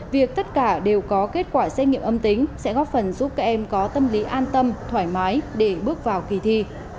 việc tất cả đều có kết quả xét nghiệm âm tính sẽ góp phần giúp các em có tâm lý an tâm thoải mái để bước vào kỳ thi